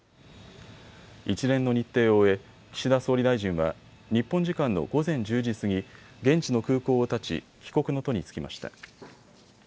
一連の日程を終え岸田総理大臣は日本時間の午前１０時過ぎ、現地の空港をたち帰国の途に就きました。